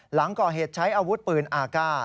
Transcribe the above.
หลังก่อเหตุใช้อาวุธปืนอากาศ